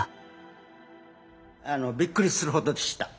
びっくりするほどでした。